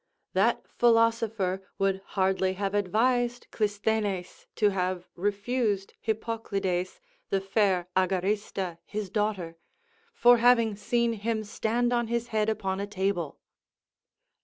That philosopher would hardly have advised Clisthenes to have refused Hippoclides the fair Agarista his daughter, for having seen him stand on his head upon a table.